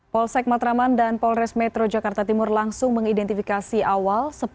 polsek matraman dan polres metro jakarta timur langsung mengidentifikasi awal